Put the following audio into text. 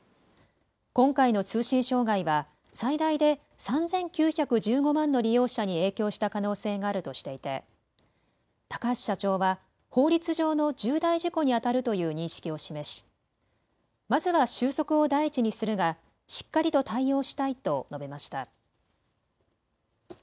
今回の通信障害は最大で３９１５万の利用者に影響した可能性があるとしていて高橋社長は法律上の重大事故にあたるという認識を示しまずは収束を第一にするがしっかりと対応したいと述べました。